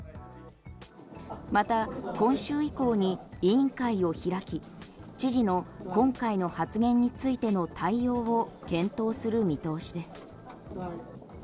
また、今週以降に委員会を開き知事の今回の発言についての対応を検討する見通しです。